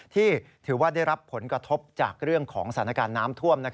ที่ถือว่าได้รับผลกระทบจากเรื่องของสถานการณ์น้ำท่วม